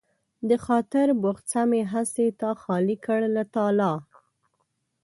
د خاطر بخڅه مې هسې تا خالي کړ له تالا